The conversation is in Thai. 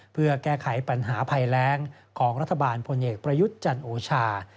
เพื่อแก้ไขปัญหาภัยแรงของรัฐบาลพลเอกประยุทธ์จันทร์โอชา